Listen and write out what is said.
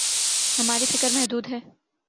ہماری فکر محدود ہے۔